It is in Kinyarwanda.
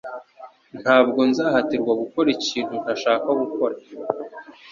Ntabwo nzahatirwa gukora ikintu ntashaka gukora.